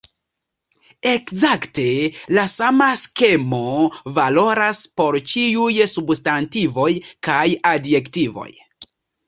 Ekzakte la sama skemo valoras por ĉiuj substantivoj kaj adjektivoj.